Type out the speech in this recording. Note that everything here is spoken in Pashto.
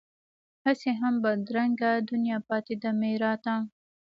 هسې هم بدرنګه دنیا پاتې ده میراته